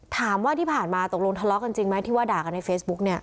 ถามว่าที่ผ่านมาตกลงทะเลาะกันจริงไหมที่ว่าด่ากันในเฟซบุ๊กเนี่ย